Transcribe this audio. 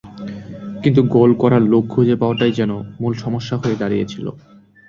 কিন্তু গোল করার লোক খুঁজে পাওয়াটাই যেন মূল সমস্যা হয়ে দাঁড়িয়েছিল।